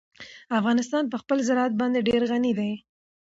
افغانستان په خپل زراعت باندې ډېر غني دی.